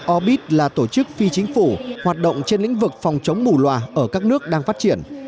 obit là tổ chức phi chính phủ hoạt động trên lĩnh vực phòng chống bù loà ở các nước đang phát triển